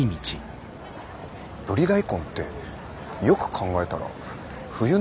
ブリ大根ってよく考えたら冬の料理でしたね。